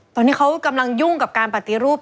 ตอนนี้เขากำลังยุ่งกับการปฏิรูป